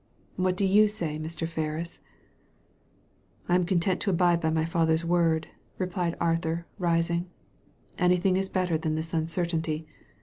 " What do you say, Mr. Ferris ?" "I am content to abide by my father's word," replied Arthur, rising. ''Anjrthing is better than this uncertainty.